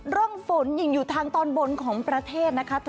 ร่องฝนยังอยู่ทางตอนบนของประเทศนะคะ